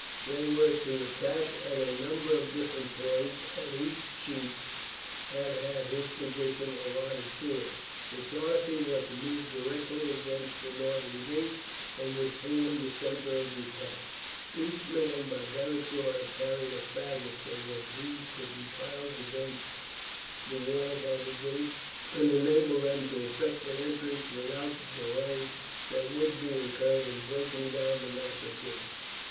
They were to attack at a number of different points, and each chief had had his position allotted to him. The Sarci were to move directly against the northern gate and would form the centre of the attack. Each man, by Beric's order, carried a faggot so that these could be piled against the wall by the gate and enable them to effect an entrance without the delay that would be incurred in breaking down the massive gates.